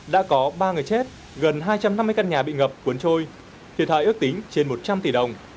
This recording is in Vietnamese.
đã có ba người chết gần hai trăm năm mươi căn nhà bị ngập cuốn trôi thiệt hại ước tính trên một trăm linh tỷ đồng